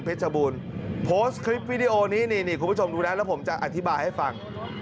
เพชรบูนพอสต์คลิปนี่นี่นี่คุณผู้ชมดูนั้นแล้วผมจะอธิบายให้ฟัง